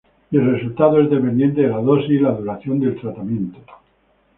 Y el resultado es dependiente de la dosis y la duración del tratamiento".